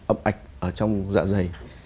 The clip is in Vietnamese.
ấm ạch ở trong dạ dày